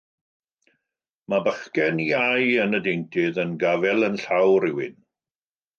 Mae bachgen iau yn y deintydd yn gafael yn llaw rhywun.